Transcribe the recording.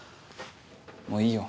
もういいよ。